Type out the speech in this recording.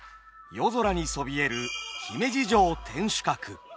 夜空にそびえる姫路城天守閣。